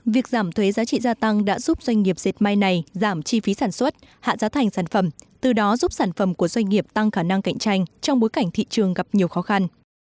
việc giảm thuế giá trị gia tăng đã giúp doanh nghiệp dệt may này giảm chi phí sản xuất hạ giá thành sản phẩm từ đó giúp sản phẩm của doanh nghiệp tăng khả năng cạnh tranh trong bối cảnh thị trường gặp nhiều khó khăn